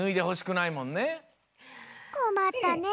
こまったね。